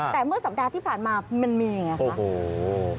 แต่เมื่อสัปดาห์ที่ผ่านมามันมีไงคะ